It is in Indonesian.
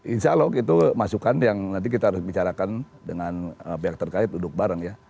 insya allah itu masukan yang nanti kita harus bicarakan dengan pihak terkait duduk bareng ya